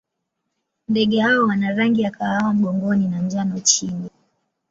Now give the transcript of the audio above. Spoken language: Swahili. Ndege hawa wana rangi ya kahawa mgongoni na njano chini.